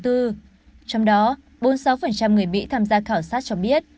trong đó bốn mươi sáu người mỹ tham gia khảo sát cho biết